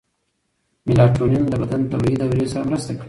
میلاټونین د بدن طبیعي دورې سره مرسته کوي.